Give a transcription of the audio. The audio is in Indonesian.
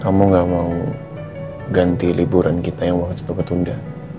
kamu gak mau ganti liburan kita yang waktu ketunda